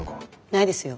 ないですよ。